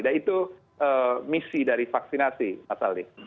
nah itu misi dari vaksinasi pak salleh